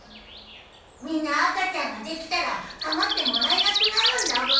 みんな赤ちゃんができたら構ってもらえなくなるんだブー。